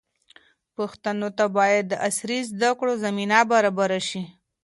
پښتنو ته باید د عصري زده کړو زمینه برابره شي.